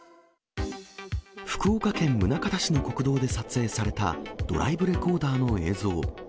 福岡県宗像市の国道で撮影されたドライブレコーダーの映像。